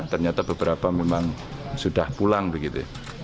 ternyata beberapa memang sudah pulang begitu ya